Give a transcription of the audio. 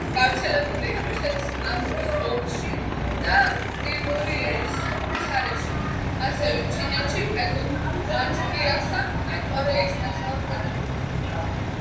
გავრცელებულია რუსეთის ამურის ოლქში და პრიმორიეს მხარეში, ასევე ჩინეთში, კერძოდ მანჯურიასა და კორეის ნახევარკუნძულზე.